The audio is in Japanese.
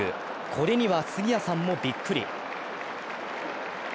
これには杉谷さんもびっくり。